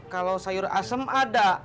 kalau sayur asem ada